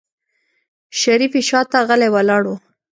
شريف يې شاته غلی ولاړ و.